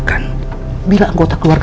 jangan buat masalah